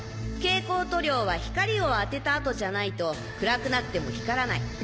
蛍光塗料は光を当てたあとじゃないと暗くなっても光らない。